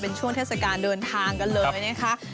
เป็นช่วงเทศกาลเดินทางกันเลยนะคะ